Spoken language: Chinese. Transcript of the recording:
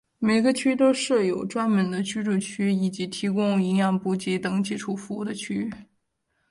每个区都设有专门的居住区以及提供营养补给等基础服务的区域。